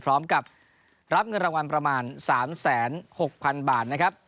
พร้อมกับรับเงินรางวาลประมาณสามแสนหกพันบาทนะครับ